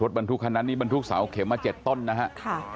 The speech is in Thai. บรรทุกคันนั้นนี่บรรทุกเสาเข็มมา๗ต้นนะฮะ